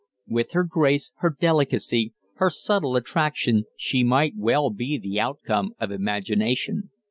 With her grace, her delicacy, her subtle attraction, she might well be the outcome of imagination.